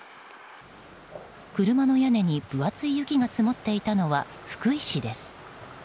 車の屋根に分厚い雪が積もっていたのは福井市です。